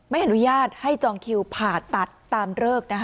ไม่อนุญาตให้จองคิวผ่าตัดตามเลิก